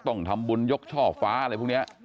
ต้องทำบุญยกช่อฟ้าอะไรพวกนี้